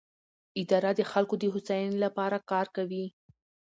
اداره د خلکو د هوساینې لپاره کار کوي.